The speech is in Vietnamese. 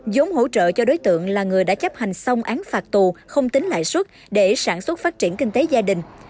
giống hỗ trợ cho đối tượng là người đã chấp hành xong án phạt tù không tính lại suất để sản xuất phát triển kinh tế gia đình